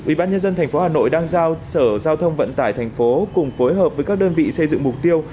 ubnd tp hà nội đang giao sở giao thông vận tải thành phố cùng phối hợp với các đơn vị xây dựng mục tiêu